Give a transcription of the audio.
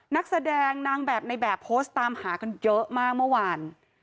นักแสดงนางแบบในแบบโพสต์ตามหากันเยอะมากเมื่อวาน